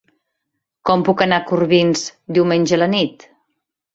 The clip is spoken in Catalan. Com puc anar a Corbins diumenge a la nit?